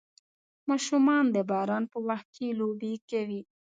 ماشومان د باران په وخت کې لوبې کوي.